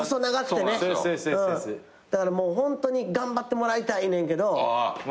だからもうホントに頑張ってもらいたいねんけど。